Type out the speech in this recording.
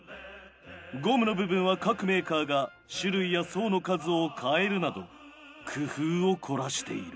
ゴムの部分は各メーカーが種類や層の数を変えるなど工夫を凝らしている。